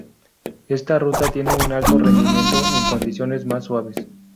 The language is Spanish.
Esta ruta tiene un alto rendimiento en condiciones más suaves.